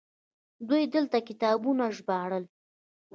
دوی دلته کتابونه ژباړل